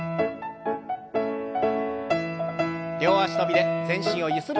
両脚跳びで全身をゆする運動です。